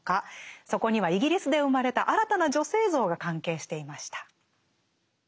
そこにはイギリスで生まれた新たな女性像が関係していました。